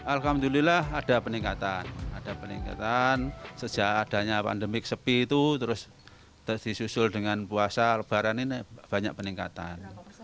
alhamdulillah ada peningkatan ada peningkatan sejak adanya pandemik sepi itu terus disusul dengan puasa lebaran ini banyak peningkatan